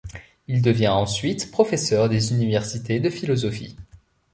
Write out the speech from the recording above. Il devient ensuite professeur des universités de philosophie.